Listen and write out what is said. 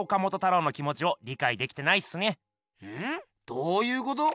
どうゆうこと？